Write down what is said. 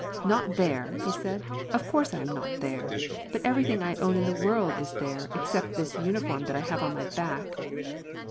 "Not there!" he said. "Of course I am not there. But everything I own in the world is there, except this uniform that I have on my back."